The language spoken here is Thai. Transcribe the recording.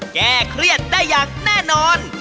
แก้เครียดได้อย่างแน่นอน